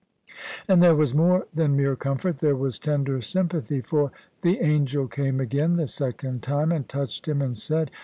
And there was more than mere comfort : there was tender sympathy : for " the Angel came again the second time and touched him and said.